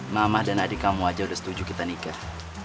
mamah dan adik kamu aja udah setuju kita nikah